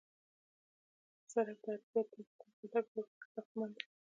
سړک د عراده جاتو د تګ راتګ لپاره افقي ساختمان دی